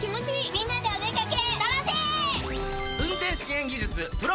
みんなでお出掛け。